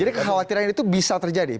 jadi kekhawatiran itu bisa terjadi